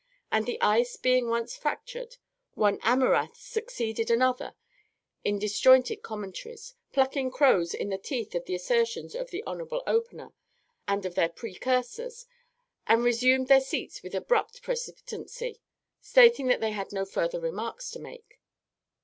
And the ice being once fractured, one Amurath succeeded another in disjointed commentaries, plucking crows in the teeth of the assertions of the Hon'ble Opener and of their precursors, and resumed their seats with abrupt precipitancy, stating that they had no further remarks to make.